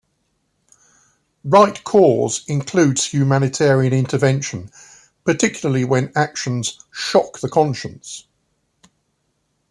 Right cause includes humanitarian intervention, particularly when actions "shock the conscience".